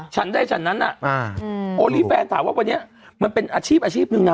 ฉันได้ฉันนั้นน่ะโอลี่แฟนถามว่าวันนี้มันเป็นอาชีพอาชีพหนึ่งนะ